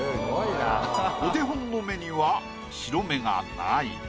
お手本の目には白目がない。